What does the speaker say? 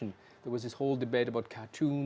ada kesemua debat tentang kartun